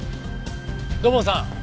土門さん。